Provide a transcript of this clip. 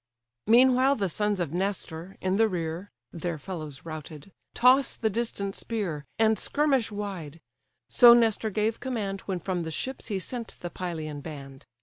Meanwhile the sons of Nestor, in the rear, (Their fellows routed,) toss the distant spear, And skirmish wide: so Nestor gave command, When from the ships he sent the Pylian band.